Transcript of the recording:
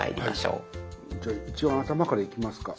じゃあ一番頭からいきますか。